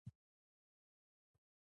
او هغه څوک چې جګړه نه غواړي، هغه څنګه دي؟